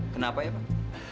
kenapa ya pak